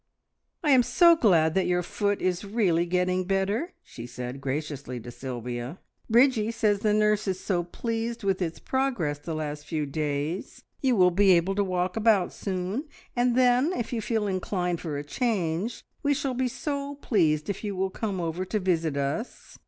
"I am so glad that your foot is really getting better," she said graciously to Sylvia. "Bridgie says the nurse is so pleased with its progress the last few days. You will be able to walk about soon, and then if you feel inclined for a change we shall be so pleased if you will come over to visit us.